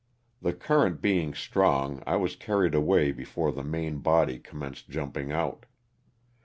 The current being strong I was carried away before the main body commenced jumping out.